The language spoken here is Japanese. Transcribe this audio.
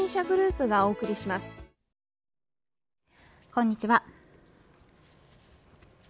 こんにちは。